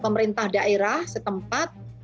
pemerintah daerah setempat